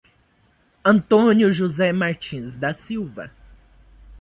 Antônio José Martins da Silva